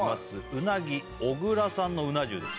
うなぎ小椋さんのうな重です